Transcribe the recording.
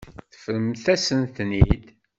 Teṭṭfemt-asent-ten-id.